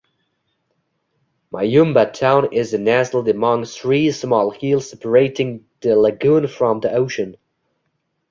Mayumba town is nestled among three small hills separating the lagoon from the ocean.